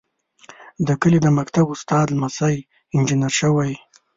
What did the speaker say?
د کلي د مکتب استاد لمسی انجنیر شوی.